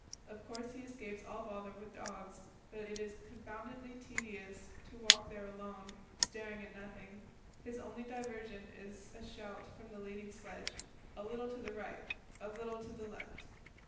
Of course he escapes all bother with dogs, but it is confoundedly tedious to walk there alone, staring at nothing. His only diversion is a shout from the leading sledge: "A little to the right," "A little to the left."